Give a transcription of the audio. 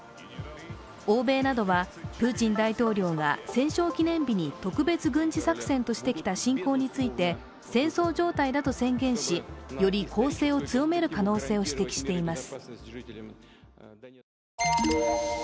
欧米などは、プーチン大統領が戦勝記念日に特別軍事作戦としてきた侵攻について戦争状態だと宣言し、より攻勢を強める可能性を指摘しています。